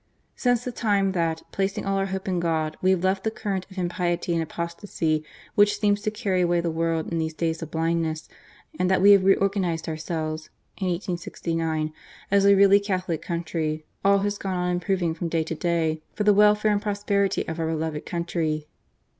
* "Since the time that, placing all our hope in God, we have left the current of impiety and apostacy which seems to carry away the world in these days of blindness, and that we have reorgan ized ourselves (in 1869) as a really Catholic country, all has gone on improving from day to day for the welfare and prosperity of our beloved country."